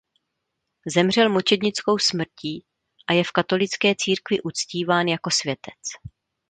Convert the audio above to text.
Zemřel mučednickou smrtí a je v katolické církvi uctíván jako světec.